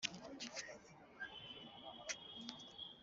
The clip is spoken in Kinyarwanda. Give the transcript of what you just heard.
n'iryo fato ntirizava